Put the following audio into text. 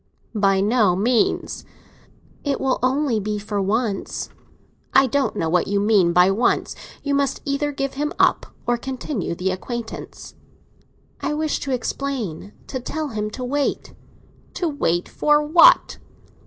"By no means." "It will only be for once." "I don't know what you mean by once. You must either give him up or continue the acquaintance." "I wish to explain—to tell him to wait." "To wait for what?"